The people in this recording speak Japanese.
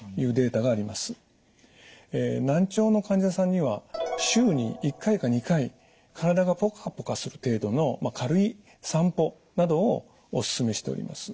難聴の患者さんには週に１回か２回体がポカポカする程度の軽い散歩などをおすすめしております。